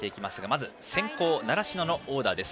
まず先攻、習志野のオーダーです。